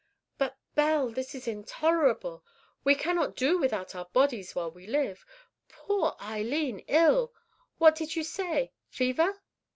"But, Belle, this is intolerable. We cannot do without our bodies while we live. Poor Eileen ill! What did you say? Fever?"